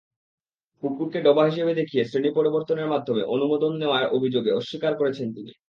পুকুরকে ডোবা হিসেবে দেখিয়ে শ্রেণি পরিবর্তনের মাধ্যমে অনুমোদন নেওয়ার অভিযোগ অস্বীকার করেছেন তিনি।